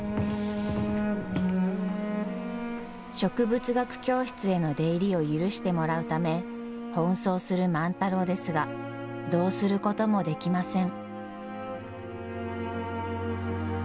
植物学教室への出入りを許してもらうため奔走する万太郎ですがどうすることもできません。